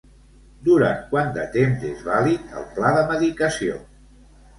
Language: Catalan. Durant quant de temps és vàlid el pla de medicació?